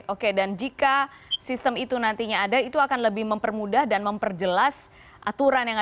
oke dan jika sistem itu nantinya ada itu akan lebih mempermudah dan memperjelas aturan yang ada